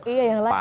iya yang lain apa